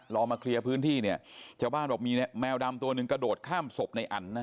รอมาเคลียร์พื้นที่เนี่ยชาวบ้านบอกมีแมวดำตัวหนึ่งกระโดดข้ามศพในอันนะ